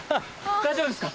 大丈夫ですか？